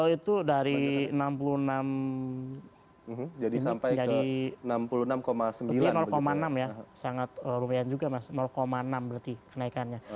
itu dari enam puluh enam jadi enam ya sangat lumayan juga mas enam berarti kenaikannya